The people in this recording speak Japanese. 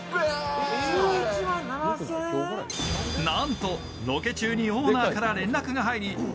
なんとロケ中にオーナーから連絡が入り